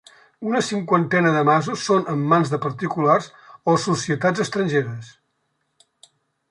Una cinquantena de masos són en mans de particulars o societats estrangeres.